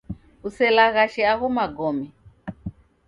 Kuselaghashe agho magome.